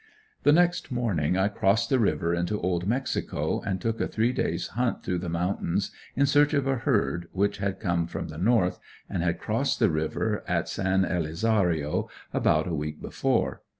The next morning I crossed the river into Old Mexico and took a three day's hunt through the mountains in search of a herd which had come from the north, and had crossed the river at San Elizario about a week before.